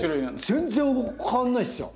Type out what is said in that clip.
全然変わんないっすよ。